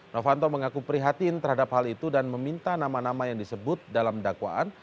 novanto mengaku prihatin terhadap hal itu dan meminta nama nama yang disebut dalam dakwaan